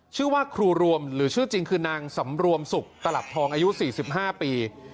ชื่อว่าครูรวมหรือชื่อจริงคือนางสำรวมสุขตลับทองอายุ๔๕ปี